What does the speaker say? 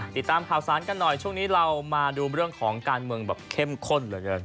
ติดตามข่าวสารกันหน่อยช่วงนี้เรามาดูเรื่องของการเมืองแบบเข้มข้นเหลือเกิน